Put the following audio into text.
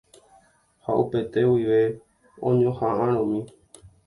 Ha upete guive oñohaʼãromi.